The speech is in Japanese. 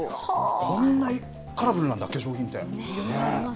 こんなにカラフルなんだ、化粧品って。